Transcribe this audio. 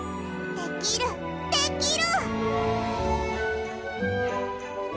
できるできる！